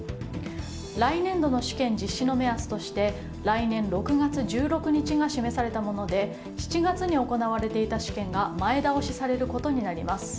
来年度の試験実施の目安として来年６月１６日が示されたもので７月に行われていた試験が前倒しされることになります。